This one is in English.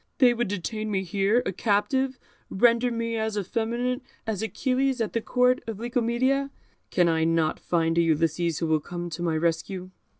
They would detain me here, a captive, render me as effeminate as Achilles at the Court of Licomedia. Can I not find a Ulysses who will come to my rescue?"